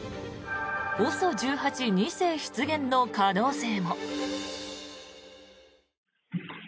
ＯＳＯ１８・２世出現の可能性も。